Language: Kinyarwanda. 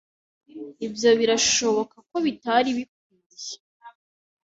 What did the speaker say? Ibyo birashoboka ko bitari bikwiye.